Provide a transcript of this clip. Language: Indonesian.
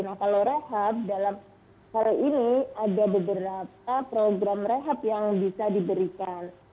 nah kalau rehab dalam hal ini ada beberapa program rehab yang bisa diberikan